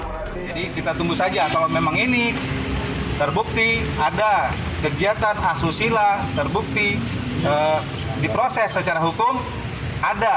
kita tunggu saja kalau memang ini terbukti ada kegiatan asusila terbukti diproses secara hukum ada